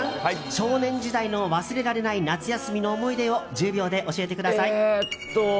少年時代の忘れられない夏休みの思い出を１０秒で教えてください。